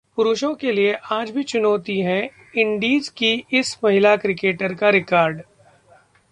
पुरुषों के लिए आज भी चुनौती है इंडीज की इस महिला क्रिकेटर का रिकॉर्ड